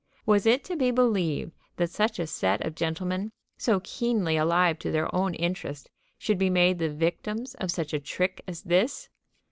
Was it to be believed that such a set of gentlemen, so keenly alive to their own interest, should be made the victims of such a trick as this?